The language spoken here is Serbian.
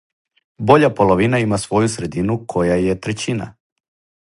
Боља половина има своју средину која је трећина.